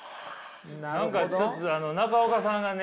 何かちょっと中岡さんがね